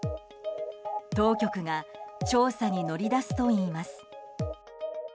当局が調査に乗り出すといいます。